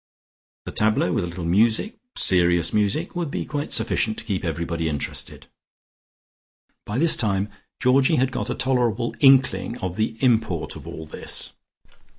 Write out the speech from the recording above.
The tableaux with a little music, serious music, would be quite sufficient to keep everybody interested." By this time Georgie had got a tolerable inkling of the import of all this.